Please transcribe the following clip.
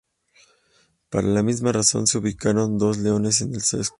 Para la misma razón se ubicaron dos leones en el escudo.